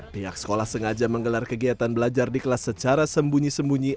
pihak sekolah sengaja menggelar kegiatan belajar di kelas secara sembunyi sembunyi